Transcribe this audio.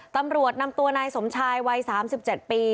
ตำรวจนำตัวนายสมชายวัย๓๗ปี